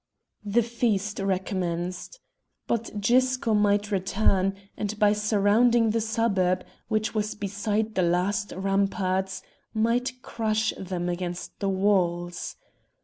The feast recommenced. But Gisco might return, and by surrounding the suburb, which was beside the last ramparts, might crush them against the walls.